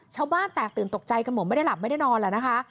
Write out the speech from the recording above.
ชาวบ้านแตกตื่นตกใจกันหมดไม่ได้หลับไม่ได้นอนแล้วนะคะ